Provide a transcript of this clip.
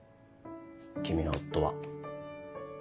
君の夫は。